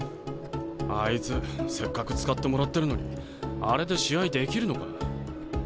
あいつせっかく使ってもらってるのにあれで試合できるのか？